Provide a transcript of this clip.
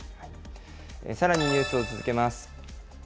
さらにニュースを続けます。